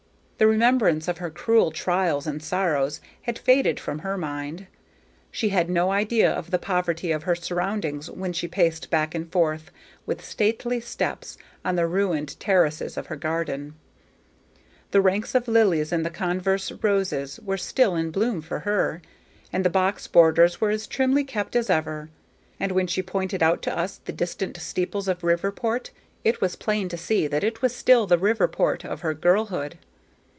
The remembrance of her cruel trials and sorrows had faded from her mind. She had no idea of the poverty of her surroundings when she paced back and forth, with stately steps, on the ruined terraces of her garden; the ranks of lilies and the conserve roses were still in bloom for her, and the box borders were as trimly kept as ever; and when she pointed out to us the distant steeples of Riverport, it was plain to see that it was still the Riverport of her girlhood.